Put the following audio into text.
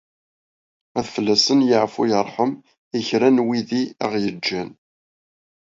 Ad fell-asen yeɛfu yerḥem i kra n wid i aɣ-yeǧǧan.